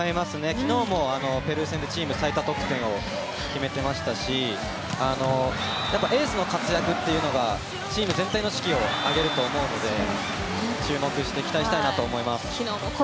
昨日もペルー戦でチーム最多得点を決めていましたしエースの活躍というのがチーム全体の士気を上げると思うので注目して期待したいなと思います。